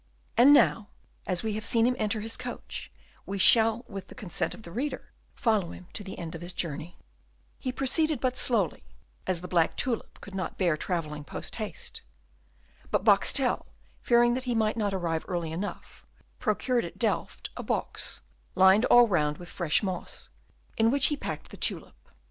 And now, as we have seen him enter his coach, we shall with the consent of the reader, follow him to the end of his journey. He proceeded but slowly, as the black tulip could not bear travelling post haste. But Boxtel, fearing that he might not arrive early enough, procured at Delft a box, lined all round with fresh moss, in which he packed the tulip.